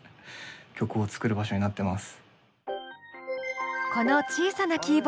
曲を作る場所になってます。